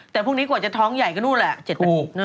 แต่พรุ่งนี้กว่าจะท้องใหญ่ก็นู่นแหละ๗ขวบ